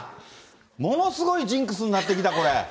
ものすごいジンクスになってきた、これ。